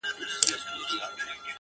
تر مابین مو دي په وېش کي عدالت وي؛